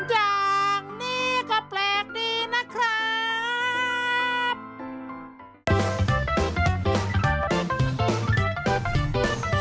อย่างนี้ก็แปลกดีนะครับ